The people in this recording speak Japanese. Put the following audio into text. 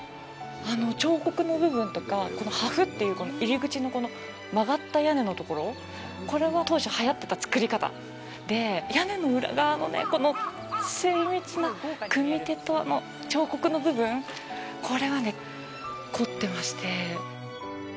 彫刻の部分とか、破風っていう入り口の曲がった屋根のところこれは当時はやってた造り方で屋根の裏側の精密な組み手と彫刻の部分これは凝ってます。